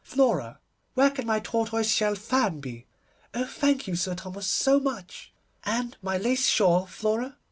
Flora, where can my tortoise shell fan be? Oh, thank you, Sir Thomas, so much. And my lace shawl, Flora?